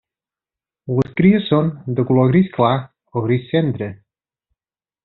Les cries són de color gris clar o gris cendra.